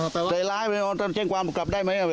แต่ล้ายว่าจะเจ้งกวรับกลับได้ไหม